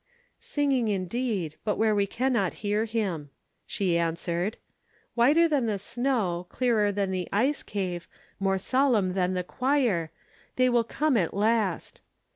"Singing indeed, but where we cannot hear him," she answered. "'Whiter than the snow, clearer than the ice cave, more solemn than the choir. They will come at last.